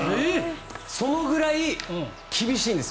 そのぐらい厳しいんです